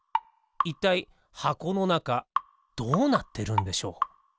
いったいはこのなかどうなってるんでしょう？